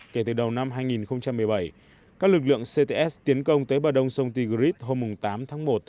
kể từ đầu năm hai nghìn một mươi bảy các lực lượng cts tiến công tới bờ đông sông tigritz hôm tám tháng một